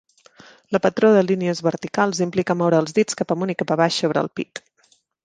La patró de línies verticals implica moure els dits cap amunt i cap abaix sobre el pit.